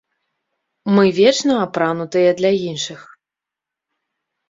Мы вечна апранутыя для іншых.